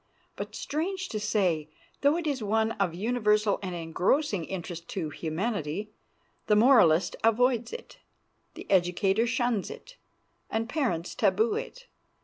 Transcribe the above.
But, strange to say, though it is one of universal and engrossing interest to humanity, the moralist avoids it, the educator shuns it, and parents taboo it.